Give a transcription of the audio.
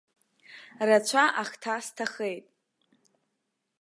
Рацәа ахҭа сҭахеит!